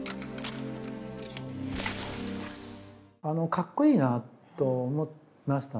かっこいいなと思いましたね。